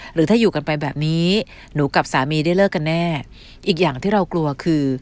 หรือถ้าอยู่กันไปแบบนี้หนูกับสามีได้เลิกกันแน่อีกอย่างที่เรากลัวคือ